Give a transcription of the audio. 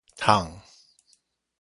迵